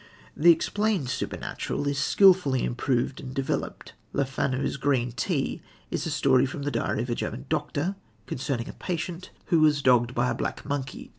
The "explained supernatural" is skilfully improved and developed. Le Fanu's Green Tea is a story from the diary of a German doctor, concerning a patient who was dogged by a black monkey.